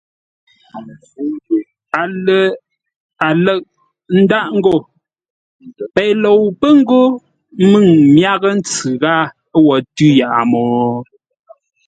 A lə̂ʼ ńdáʼ ngô: Pei lou pə́ ńgó m myághʼə́ ntsʉ ghâa wo tʉ́ yaʼa mô?